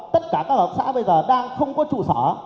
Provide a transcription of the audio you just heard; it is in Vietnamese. tất cả các hợp xã bây giờ đang không có trụ sở